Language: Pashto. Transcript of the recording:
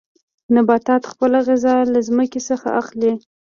نباتات خپله غذا له ځمکې څخه اخلي.